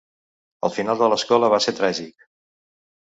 El final de l'escola va ser tràgic.